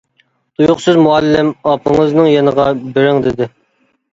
تۇيۇقسىز مۇئەللىم ئاپىڭىزنىڭ يېنىغا بېرىڭ دېدى.